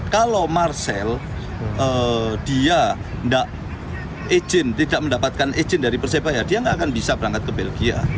kalau marcel dia tidak mendapatkan ejen dari persepaya dia tidak akan bisa berangkat ke belgia